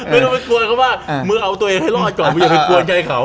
ไม่ต้องขวนเขาบ้างมึงเอาตัวเองให้รอดก่อนมึงอย่างไปปล่อยแก่เขา